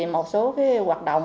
một số hoạt động